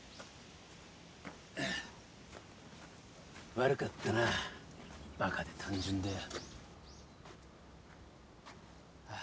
悪かったなバカで単純でよ。